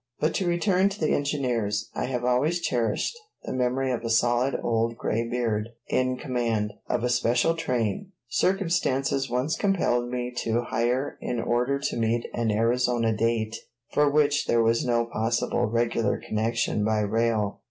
But to return to the engineers: I have always cherished the memory of a stolid old graybeard in command of a special train circumstances once compelled me to hire in order to meet an Arizona date for which there was no possible regular connection by rail.